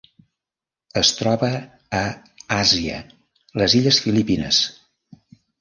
Es troba a Àsia: les illes Filipines.